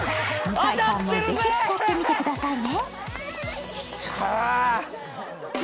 皆さんもぜひ使ってみてくださいね。